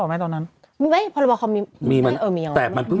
นี้ดราม่าหนึ่ง